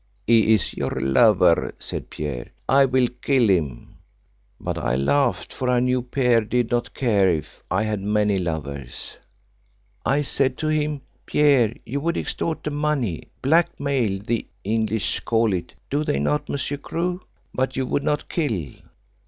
'He is your lover,' said Pierre. 'I will kill him.' But I laughed, for I knew Pierre did not care if I had many lovers. I said to him, 'Pierre, you would extort the money' blackmail, the English call it, do they not, Monsieur Crewe? 'but you would not kill.